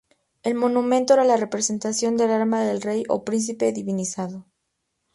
El monumento era la representación del alma del rey o príncipe divinizado.